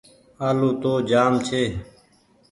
آلو تو جآم ڇي۔